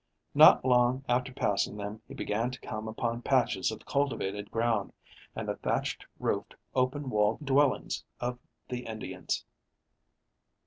Not long after passing them he began to come upon patches of cultivated ground, and the thatched roofed, open walled dwellings of the Indians.